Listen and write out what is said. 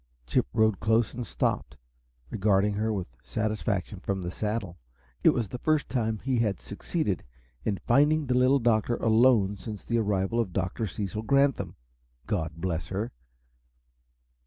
Chip rode close and stopped, regarding her with satisfaction from the saddle. It was the first time he had succeeded in finding the Little Doctor alone since the arrival of Dr. Cecil Granthum God bless her!